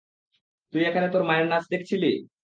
তুই এখানে তোর মায়ের নাচ দেখছিলি?